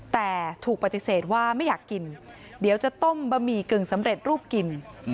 แต่ถูกปฏิเสธว่าไม่อยากกินเดี๋ยวจะต้มบะหมี่กึ่งสำเร็จรูปกิน